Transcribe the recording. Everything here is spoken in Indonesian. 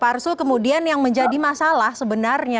parsul kemudian yang menjadi masalah sebenarnya